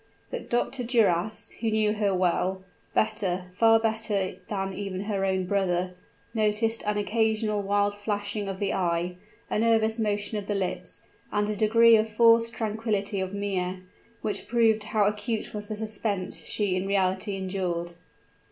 But Dr. Duras, who knew her well better, far better than even her own brother noticed an occasional wild flashing of the eye, a nervous motion of the lips, and a degree of forced tranquillity of mien, which proved how acute was the suspense she in reality endured.